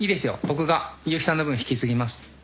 僕が悠木さんの分引き継ぎます。